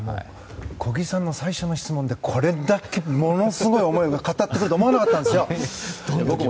小木さんの最初の質問でこれだけものすごい思いを語ってくれると思わなかったんですよ。